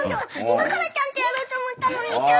今からちゃんとやろうと思ったのにさ。